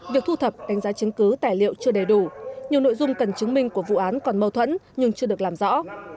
việc thu thập đánh giá chứng cứ tài liệu chưa đầy đủ nhiều nội dung cần chứng minh của vụ án còn mâu thuẫn nhưng chưa được làm rõ